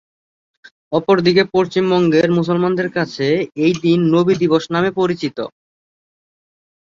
অপরদিকে পশ্চিমবঙ্গের মুসলমানদের কাছে এই দিন নবী দিবস নামে পরিচিত।